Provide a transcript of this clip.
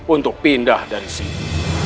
untuk pindah dari sini